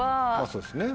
そうですね。